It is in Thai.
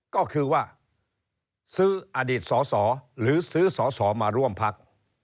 ก็คือว่าซื้ออดีตสอสอหรือซื้อสอสอมาร่วมพัก